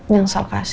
jangan buat gitu sih